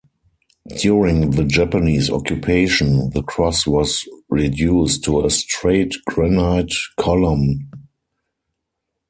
During the Japanese occupation the cross was reduced to a straight granite column.